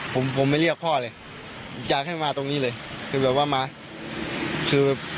ผมผมไม่เรียกพ่อเลยอยากให้มาตรงนี้เลยคือแบบว่ามาคือแบบ